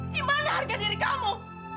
di mana harga diri kamu